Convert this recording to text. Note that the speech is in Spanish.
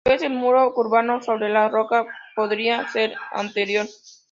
Tal vez el muro curvado sobre la roca podría ser anterior.